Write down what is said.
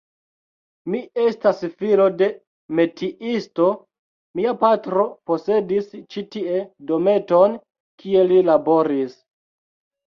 Mi estas filo de metiisto, mia patro posedis ĉi tie dometon, kie li laboris.